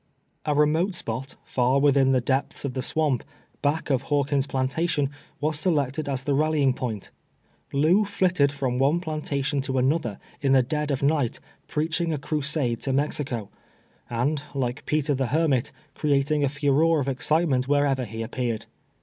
A remote spot, far within the depths of the swamp, back of Hawkins' plantation, was selected as the ral lying point. Lew flitted from one plantation to an other, in the dead of night, preaching a crusade to Mexico, and, like Peter the Hermit, creating a furor of excitement wherever he appeared.